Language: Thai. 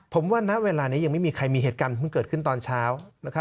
ผมว่าณเวลานี้ยังไม่มีใครมีเหตุการณ์เพิ่งเกิดขึ้นตอนเช้า